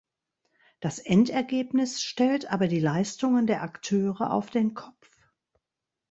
Das Endergebnis stellt aber die Leistungen der Akteure auf den Kopf.